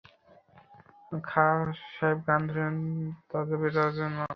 খাঁ সাহেব গান ধরিলেন, তাজবে তাজ নওবে নও।